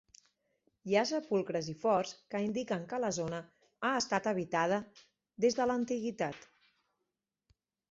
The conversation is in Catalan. Hi ha sepulcres i forts que indiquen que la zona ha estat habitada des de l'antiguitat.